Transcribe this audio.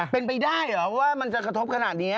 เป็นไปได้เหรอว่ามันจะกระทบขนาดนี้